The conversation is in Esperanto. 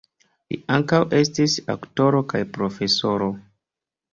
Li ankaŭ estis aktoro kaj profesoro.